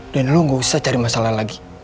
dan lo gak usah cari masalah lagi